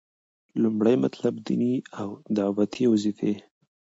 لومړی مطلب - ديني او دعوتي وظيفي: